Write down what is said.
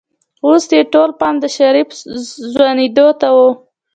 خو اوس يې ټول پام د شريف ځوانېدو ته و.